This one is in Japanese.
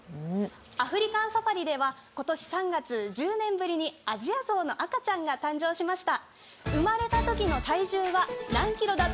アフリカンサファリでは今年３月、１０年ぶりにアジアゾウの赤ちゃんが誕生しました。